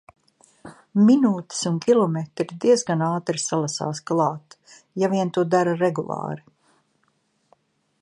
Minūtes un km diezgan ātri salasās klāt, ja vien to dara regulāri.